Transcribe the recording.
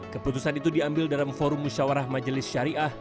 keputusan itu diambil dalam forum musyawarah majelis syariah